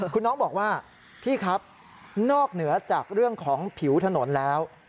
คุณน้องบอกว่าพี่ครับนอกเหนือจากเรื่องของผิวถนนแล้ว